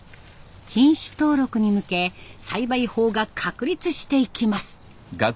品種登録に向け栽培法が確立していきます。